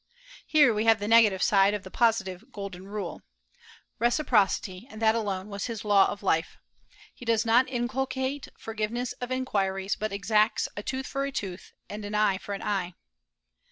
Here we have the negative side of the positive "golden rule." Reciprocity, and that alone, was his law of life. He does not inculcate forgiveness of injuries, but exacts a tooth for a tooth, and an eye for an eye.